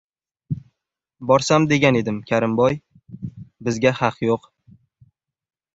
— Borsam degan edim, Karimboy. Bizga haq yo‘q!